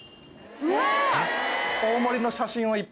うわ！